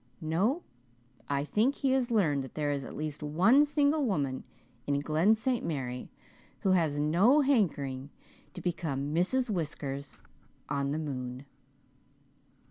No, I think he has learned that there is at least one single woman in Glen St. Mary who has no hankering to become Mrs. Whiskers on the moon."